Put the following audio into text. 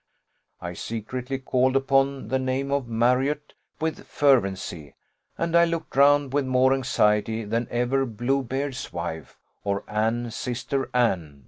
I secretly called upon the name of Marriott with fervency, and I looked round with more anxiety than ever Bluebeard's wife, or 'Anne, sister Anne!